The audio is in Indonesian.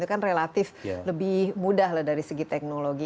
itu kan relatif lebih mudah lah dari segi teknologi